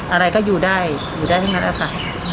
อะไรก็อยู่ได้อยู่ได้ทั้งนั้นแหละค่ะ